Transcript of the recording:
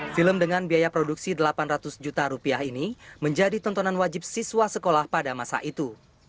film dengan biaya produksi delapan ratus juta rupiah ini menjadi tontonan wajib siswa sekolah pada masa itu